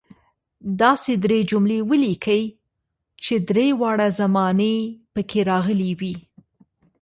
داسې درې جملې ولیکئ چې درې واړه زمانې پکې راغلي وي.